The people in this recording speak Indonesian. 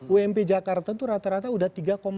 ump jakarta itu rata rata sudah tiga enam